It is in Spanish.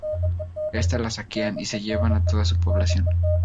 Esta la saquean y se llevan a toda su población.